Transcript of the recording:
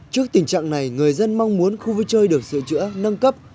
trước tình trạng này người dân mong muốn khu vui chơi được sửa chữa nâng cấp